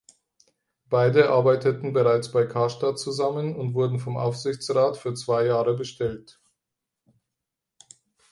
Beide arbeiteten bereits bei Karstadt zusammen und wurden vom Aufsichtsrat für zwei Jahre bestellt.